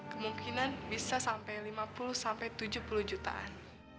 kemungkinan bisa sampai lima puluh sampai tujuh puluh jutaan